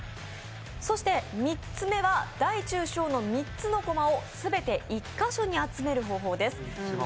そして３つ目は、大中小の３つの駒を全て１カ所に集める方法です。